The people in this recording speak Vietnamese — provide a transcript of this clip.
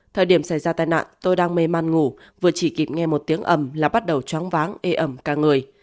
thời điểm xảy ra tai nạn tôi đang mê man ngủ vừa chỉ kịp nghe một tiếng ẩm là bắt đầu choáng váng ê ẩm ca người